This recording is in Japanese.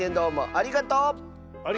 ありがとう！